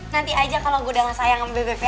nanti aja kalo gua udah gak sayang sama bebeb ya